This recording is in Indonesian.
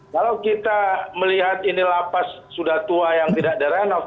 kalau kita melihat ini la paz sudah tua yang tidak di renov